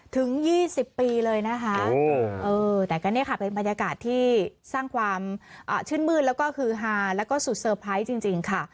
ถึง๒๐ปีเลยนะคะแต่ก็เนี่ยค่ะเป็นบรรยากาศที่สร้างความชื่นมืดแล้วก็ฮือฮาแล้วก็สุดเซอร์ไพรส์จริงค่ะ